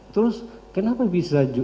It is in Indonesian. terus kenapa bisa